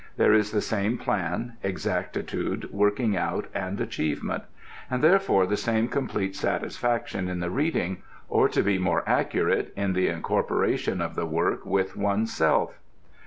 There is the same plan, exactitude, working out and achievement; and therefore the same complete satisfaction in the reading, or to be more accurate, in the incorporation of the work with oneself.